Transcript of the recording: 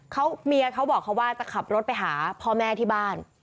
เขาเมียเขาบอกเขาว่าจะขับรถไปหาพ่อแม่ที่บ้าน